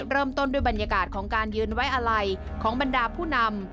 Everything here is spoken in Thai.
เริ่มต้นด้วยบรรยากาศของการยืนไว้อาลัยของบรรดาผู้นำ